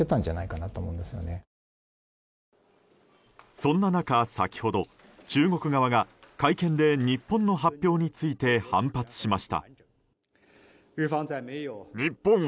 そんな中、先ほど中国側が会見で日本側の発表について反発しました。